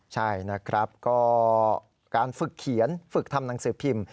ใช่นะครับก็การฝึกเขียนฝึกทำหนังสือพิมพ์